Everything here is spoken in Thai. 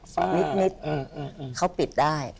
นิดเขาปิดได้